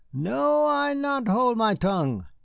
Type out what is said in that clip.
No, I not hold my tongue.